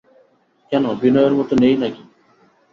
কেন, বিনয়ের মত নেই নাকি?